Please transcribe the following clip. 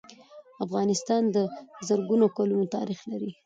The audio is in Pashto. افغانستان د زرګونو کلونو تاریخ لري.